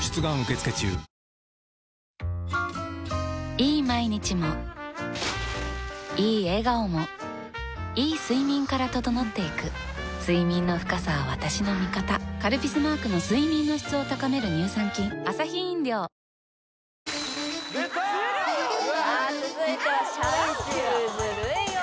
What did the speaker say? いい毎日もいい笑顔もいい睡眠から整っていく睡眠の深さは私の味方「カルピス」マークの睡眠の質を高める乳酸菌・出たさあ続いてはシャ乱Ｑ「ズルい女」